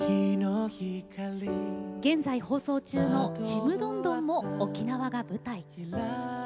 現在放送中の「ちむどんどん」も沖縄が舞台。